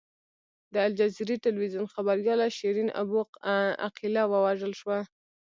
د الجزیرې ټلویزیون خبریاله شیرین ابو عقیله ووژل شوه.